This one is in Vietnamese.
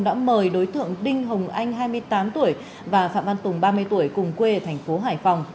đã mời đối tượng đinh hồng anh hai mươi tám tuổi và phạm văn tùng ba mươi tuổi cùng quê tp hải phòng